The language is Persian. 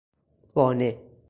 بانه